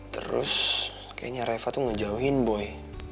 terus kayaknya reva tuh ngejauhin boy